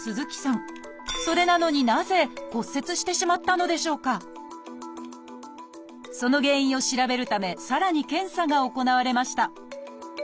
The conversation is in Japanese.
それなのにその原因を調べるためさらに検査が行われました。